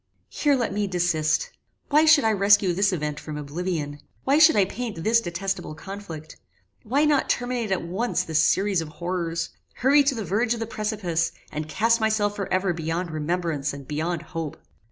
Here let me desist. Why should I rescue this event from oblivion? Why should I paint this detestable conflict? Why not terminate at once this series of horrors? Hurry to the verge of the precipice, and cast myself for ever beyond remembrance and beyond hope?